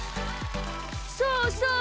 そうそう！